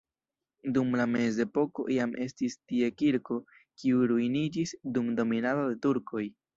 Dum la mezepoko jam estis tie kirko, kiu ruiniĝis dum dominado de turkoj.